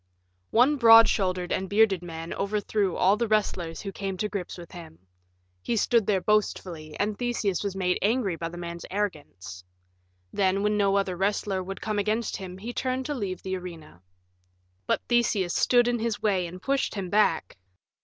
One broad shouldered and bearded man overthrew all the wrestlers who came to grips with him. He stood there boastfully, and Theseus was made angry by the man's arrogance. Then, when no other wrestler would come against him, he turned to leave the arena. But Theseus stood in his way and pushed him back.